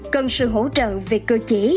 cần sự hỗ trợ về cơ chế